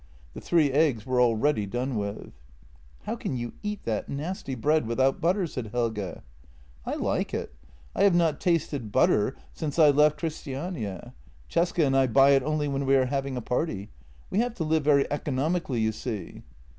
The three eggs were already done with. "How can you eat that nasty bread without butter? " said Helge. " I like it. I have not tasted butter since I left Christiania. Cesca and I buy it only when we are having a party. We have to live very economically, you see."